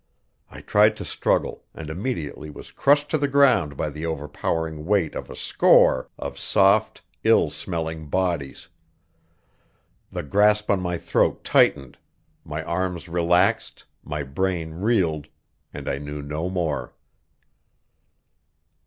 I tried to struggle, and immediately was crushed to the ground by the overpowering weight of a score of soft, ill smelling bodies. The grasp on my throat tightened; my arms relaxed, my brain reeled, and I knew no more.